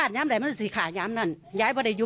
ภรรยาก็บอกว่านายเทวีอ้างว่าไม่จริงนายทองม่วนขโมย